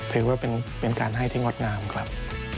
ถือว่าเป็นการให้ที่งดงามครับ